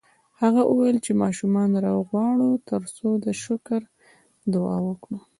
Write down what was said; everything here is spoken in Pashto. هغه وویل چې ماشومان راوغواړه ترڅو د شکر دعا وکړو